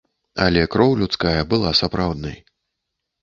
Але кроў людская была сапраўднай.